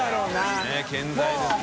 佑健在ですね。